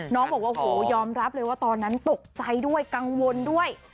น้องบอกว่าโอ้โหยอมรับเลยว่าตอนนั้นตกใจด้วยกังวลด้วย